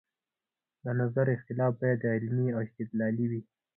د نظر اختلاف باید علمي او استدلالي وي